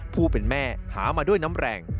ผู้เป็นแม่หามาด้วยน้ำแรง